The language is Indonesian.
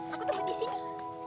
aku tunggu di sini